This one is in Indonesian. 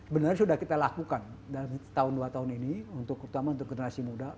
benarnya sudah kita lakukan dalam tahun dua tahun ini terutama untuk generasi muda